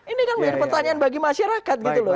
ini kan menjadi pertanyaan bagi masyarakat gitu loh